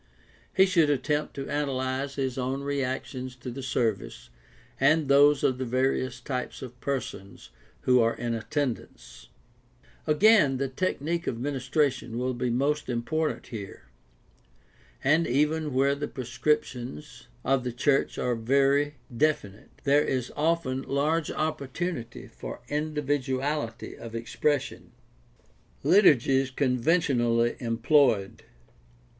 He should attempt to analyze his own reactions to the service and those of the various types of persons who are in attendance. Again, the tech nique of ministration will be most important here. And even where the prescriptions of the church are very definite there is often large opportunity for individuality of expression. PRACTICAL THEOLOGY 619 Liturgies conventionally employed.